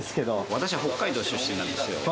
私、北海道出身なんですよ。